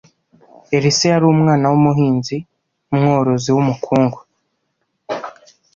Elisa yari umwana w’umuhinzi-mworozi w’umukungu